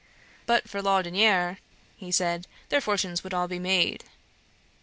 But for Laudonniere, he said, their fortunes would all be made.